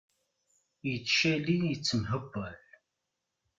Yettcali yettemhewwal.